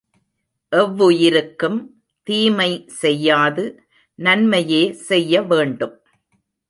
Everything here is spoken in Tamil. எவ்வுயிருக்கும் தீமை செய்யாது நன்மையே செய்ய வேண்டும்.